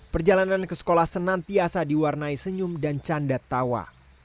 perjalanan ke sekolah senantiasa diwarnai senyum dan canda tawa